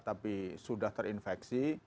tapi sudah terinfeksi